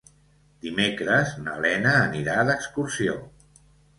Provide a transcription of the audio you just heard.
Dimecres na Lena anirà d'excursió.